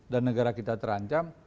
dan negara kita terancam